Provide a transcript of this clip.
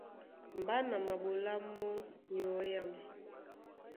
Mbá na maɓolá mɔ́ nyɔ̌ âm.